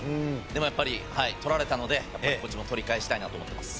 でもやっぱり取られたのでこっちも取り返したいなと思ってます。